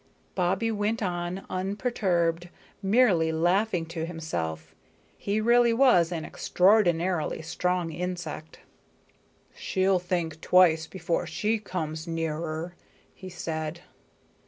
Bobbie went on unperturbed, merely laughing to himself. He really was an extraordinarily strong insect. "She'll think twice before she comes nearer," he said.